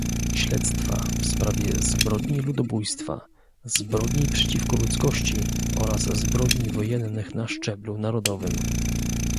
śledztwa w sprawie zbrodni ludobójstwa, zbrodni przeciwko ludzkości oraz zbrodni wojennych na szczeblu narodowym